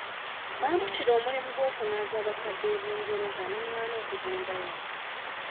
Bampitira omulimu gw'okunaaza abakadde e Bungereza ne ngaana okugendayo.